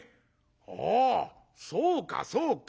「ああそうかそうか。